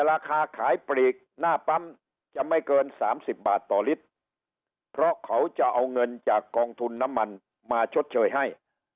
ราคาขายปลีกหน้าปั๊มจะไม่เกิน๓๐บาทต่อลิตรเพราะเขาจะเอาเงินจากกองทุนน้ำมันมาชดเชยให้